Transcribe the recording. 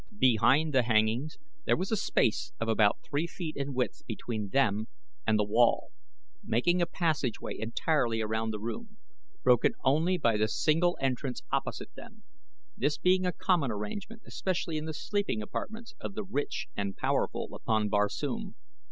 Behind the hangings there was a space of about three feet in width between them and the wall, making a passageway entirely around the room, broken only by the single entrance opposite them; this being a common arrangement especially in the sleeping apartments of the rich and powerful upon Barsoom.